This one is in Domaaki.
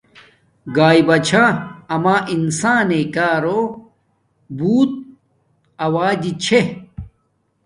گاݵے بچھا اما انسانݵ کارو بوت اݹجی چھے